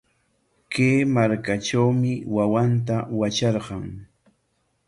Kay markatrawmi wawanta watrarqan.